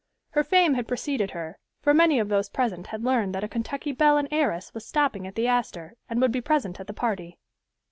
Her fame had preceded her, for many of those present had learned that a Kentucky belle and heiress was stopping at the Astor, and would be present at the party.